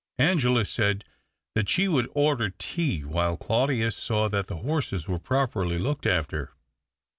Angela said that she would order tea, while Claudius saw that the horses were properly looked after.